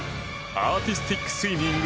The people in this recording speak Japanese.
アーティスティックスイミング